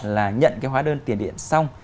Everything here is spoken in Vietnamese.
là nhận cái hóa đơn tiền điện xong